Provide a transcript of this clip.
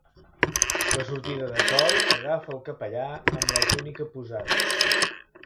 La sortida de sol agafa el capellà amb la túnica posada.